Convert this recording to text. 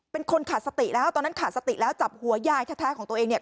เป็นคนขาดสติแล้วตอนนั้นขาดสติแล้วจับหัวยายแท้ของตัวเองเนี่ย